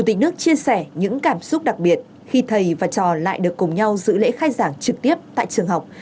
chủ tịch nước chia sẻ những cảm xúc đặc biệt khi thầy và trò lại được cùng nhau giữ lễ khai giảng trực tiếp tại trường học